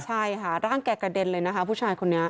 ใช่ค่ะร่างแกกระเด็นเลยนะคะผู้ชายคนนี้